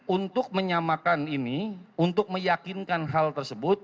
untuk menyamakan ini untuk meyakinkan hal tersebut